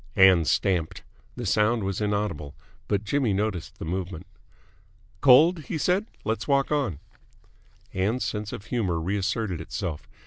Ann stamped. The sound was inaudible, but Jimmy noticed the movement. "Cold?" he said. "Let's walk on." Ann's sense of humour reasserted itself.